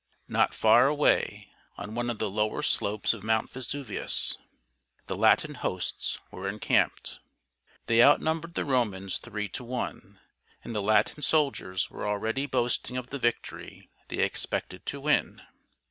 Not far away, on one of the lower slopes of Mount Vesuvius, the Latin hosts were encamped. They outnumbered the Romans three to one, and the Latin soldiers were already boasting of the victory they expected to win.